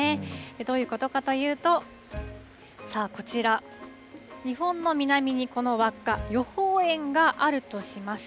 どういうことかというと、さあ、こちら、日本の南にこの輪っか、予報円があるとします。